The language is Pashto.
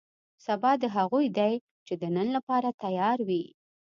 سبا دې هغو دی چې د نن لپاره تیار وي.